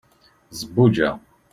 zebbuǧa